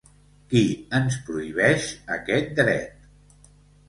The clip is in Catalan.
Qui ens prohibeix aquest dret?